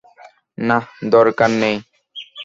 নাহ, দরকার নেই।